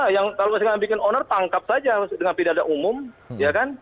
iya kalau kita bikin owner tangkap saja dengan tidatang umum ya kan